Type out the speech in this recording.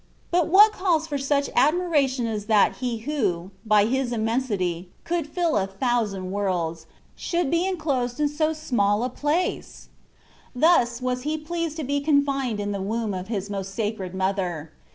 But what calls for so much admiration as that He who, by His immensity, could fill a thousand THE WAY OP PERFECTION. 139 worlds, should be enclosed in so small a place ! Thus was He pleased to be confined in the womb of His Most Sacred Mother.